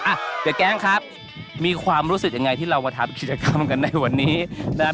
อ่ะเดี๋ยวแก๊งครับมีความรู้สึกยังไงที่เรามาทำกิจกรรมกันในวันนี้นะครับ